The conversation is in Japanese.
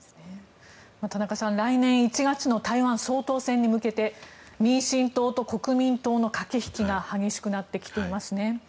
田中さん、来年１月の台湾総統選に向けて民進党と国民党の駆け引きが激しくなってきていますね。